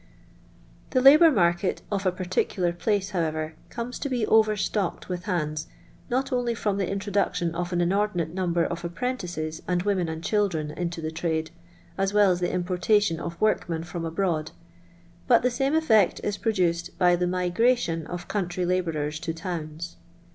The labour market of a particular place, how ever, comes to be overstocked with hands, not only from the introduction of an inordinate number of apprentices and women and children into the trade, as well as the importation of workmen from abroad, but the same effect is produced by the migration of country labourers to towns.